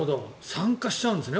酸化しちゃうんですね。